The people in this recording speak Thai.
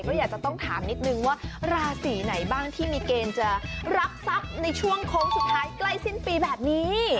ก็อยากจะต้องถามนิดนึงว่าราศีไหนบ้างที่มีเกณฑ์จะรับทรัพย์ในช่วงโค้งสุดท้ายใกล้สิ้นปีแบบนี้